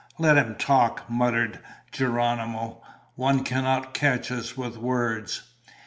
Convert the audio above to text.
"Let him talk," muttered Geronimo. "One cannot catch us with words."